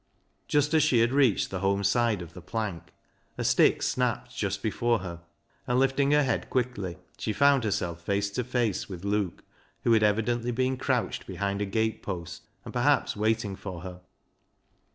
Just as she had reached the home side of the plank a stick snapped just before her, and lifting her head quickly, she found herself face to face with Luke, who had evidently been crouched behind a gate post and perhaps waiting for her.